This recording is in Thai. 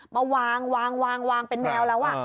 มาวางวางเป็นแมวแล้ว